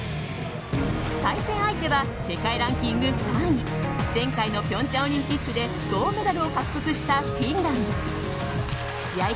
対戦相手は世界ランキング３位前回の平昌オリンピックで銅メダルを獲得したフィンランド。